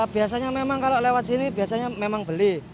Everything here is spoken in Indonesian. biasanya memang kalau lewat sini biasanya memang beli